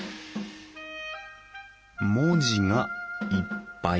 文字がいっぱい。